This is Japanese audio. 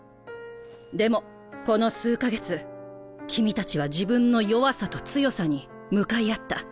でもこの数か月君たちは自分の弱さと強さに向かい合った。